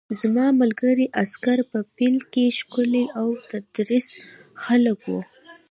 زما ملګري عسکر په پیل کې ښکلي او تندرست خلک وو